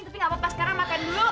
tapi gak apa pas karena makan dulu